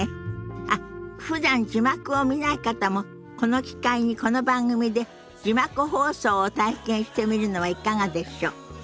あっふだん字幕を見ない方もこの機会にこの番組で字幕放送を体験してみるのはいかがでしょ。